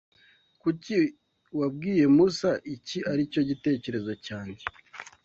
Kuki wabwiye Musa iki aricyo gitekerezo cyanjye?